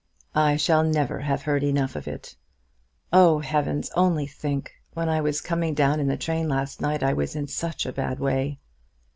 "I shall never have heard enough of it. Oh, Heavens, only think, when I was coming down in the train last night I was in such a bad way."